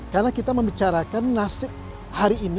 karena kita membicarakan nasib hari ini